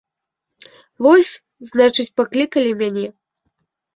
Вось, значыць, паклікалі мяне.